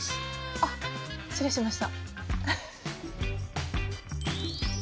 あっ失礼しました。